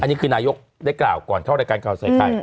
อันนี้คือนายกได้กล่าวก่อนเท่าไหร่การกล่าวใส่ใกล้